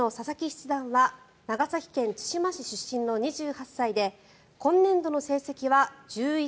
七段は長崎県対馬市出身の２８歳で今年度の成績は１１